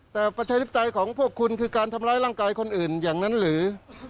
แต่ประชาธิปไตยของพวกคุณคือการทำร้ายร่างกายคนอื่นอย่างนั้นหรือ